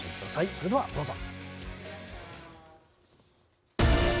それでは、どうぞ。